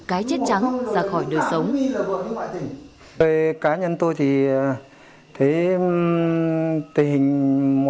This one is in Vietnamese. cái chết trắng ra khỏi đời sống